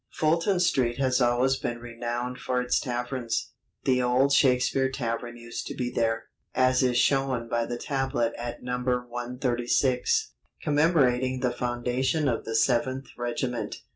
Fulton Street has always been renowned for its taverns. The Old Shakespeare Tavern used to be there, as is shown by the tablet at No. 136 commemorating the foundation of the Seventh Regiment.